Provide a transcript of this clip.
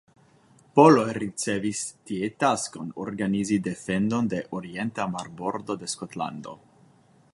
Poloj ricevis tie taskon organizi defendon de orienta marbordo de Skotlando.